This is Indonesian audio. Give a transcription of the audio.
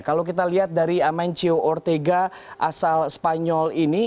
kalau kita lihat dari amencio ortega asal spanyol ini